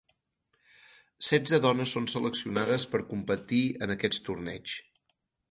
Setze dones són seleccionades per competir en aquests torneigs.